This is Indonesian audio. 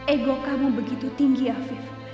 ego kamu begitu tinggi afif